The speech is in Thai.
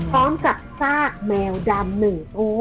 พร้อมกับซากแมวดำหนึ่งตัว